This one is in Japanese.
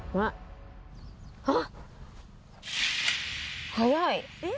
あっ、早い！